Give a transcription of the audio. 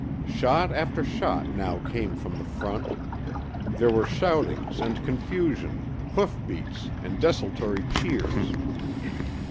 Shot after shot now came from the front. There were shoutings and confusion, hoof beats and desultory cheers.